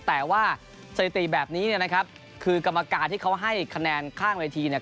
แต่ว่าสถิติแบบนี้เนี่ยนะครับคือกรรมการที่เขาให้คะแนนข้างเวทีเนี่ย